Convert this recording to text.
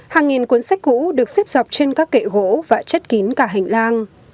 hàng nghìn cuốn sách cũ được xếp dọc trên các kệ gỗ và chất kín cả hành lang